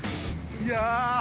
いや。